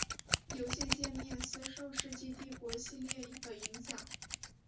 游戏介面似受世纪帝国系列的影响。